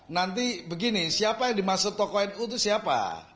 nanti begini siapa yang dimaksud tokoh nu itu siapa